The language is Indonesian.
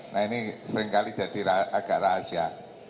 nah ini seringkali jadi agak rahasia